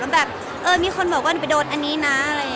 แบบเออมีคนบอกว่าหนูไปโดนอันนี้นะอะไรอย่างนี้